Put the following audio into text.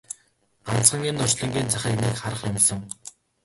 Ганцхан энэ орчлонгийн захыг нэг харах юмсан!